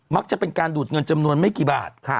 จะเป็นการดูดเงินจำนวนไม่กี่บาท